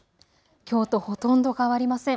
きょうとほとんど変わりません。